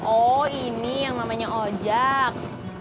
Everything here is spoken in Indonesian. oh ini yang namanya ojek